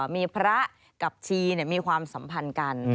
มีพระกับชีมีความสัมพันธ์กัน